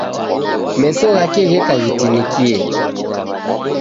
Meso ghake gheka ghitinikie